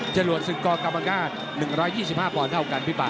จรวดศึกกกรรมการ๑๒๕ปอนด์เท่ากันพี่ป่า